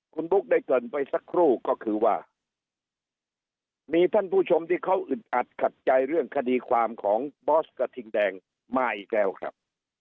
คุณบุ๊คได้เกินไปสักครู่ก็คือว่ามีท่านผู้ชมที่เขาอึดอัดขัดใจเรื่องคดีความของบอสกระทิงแดงมาอีกแล้วครับ